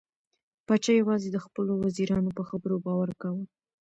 پاچا یوازې د خپلو وزیرانو په خبرو باور کاوه.